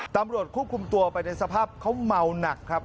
ตำรวจควบคุมตัวไปในสภาพเขาเมาหนักครับ